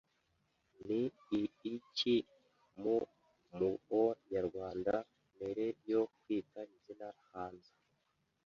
ni iiki Mu muo nyarwanda mere yo kwita izina hanza